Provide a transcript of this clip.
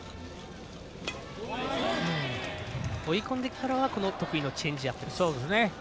追い込んでからは得意のチェンジアップ。